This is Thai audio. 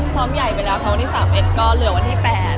ซ้อมใหญ่ไปแล้วค่ะวันที่๓๑ก็เหลือวันที่๘